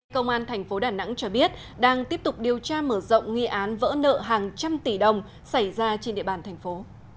công an thành phố đà nẵng cho biết đang tiếp tục điều tra mở rộng nghi án vỡ nợ hàng trăm tỷ đồng xảy ra trên địa bàn thành phố